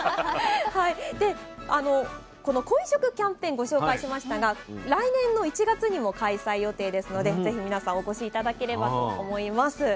でこの鯉食キャンペーンご紹介しましたが来年の１月にも開催予定ですので是非皆さんお越し頂ければと思います。